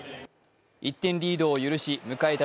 １点リードを許し迎えた